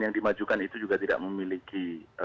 yang dimajukan itu juga tidak memiliki